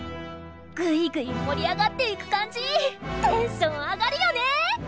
グイグイ盛り上がっていく感じテンション上がるよね！